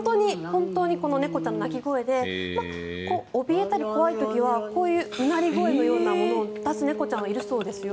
本当に猫ちゃんの鳴き声でおびえたり怖い時はこういううなり声みたいなものを出す猫ちゃんもいるそうですよ。